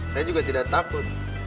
saya juga tidak takut